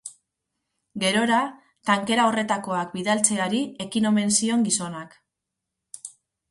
Gerora, tankera horretakoak bidaltzeari ekin omen zion gizonak.